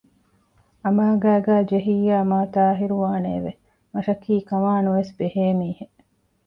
އަމާ ގައިގައި ޖެހިއްޔާ މާތާހިރުވާނެއެވެ! މަށަކީ ކަމާ ނުވެސް ބެހޭ މީހެއް